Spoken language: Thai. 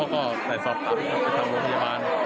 แล้วก็ได้สอบถามไปทางโรงพยาบาล